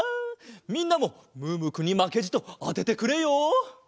みんなもムームーくんにまけじとあててくれよ。